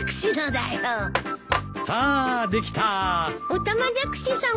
オタマジャクシさん